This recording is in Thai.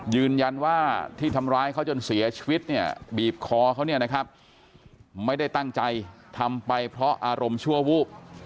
ยืนยันว่าที่ทำร้ายเขาจนเสียชีวิตเนี่ยบีบคอเขาเนี่ยนะครับไม่ได้ตั้งใจทำไปเพราะอารมณ์ชั่ววูบ